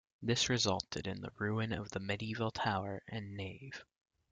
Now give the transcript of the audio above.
This resulted in the ruin of the medieval tower and nave.